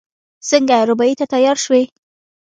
څنګه رېبارۍ ته تيار شوې.